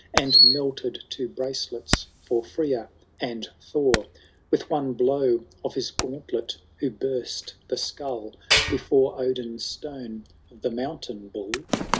And melted to bracelets for Freya and Thor ; With one blow of his gauntlet who burst the skull. Before Odin's stone, of the Mountain Bull